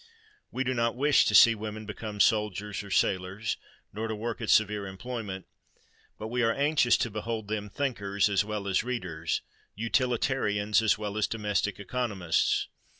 We do not wish to see women become soldiers or sailors, nor to work at severe employment: but we are anxious to behold them thinkers as well as readers—utilitarians as well as domestic economists.